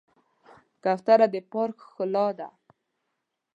کوتره د پارک ښکلا ده.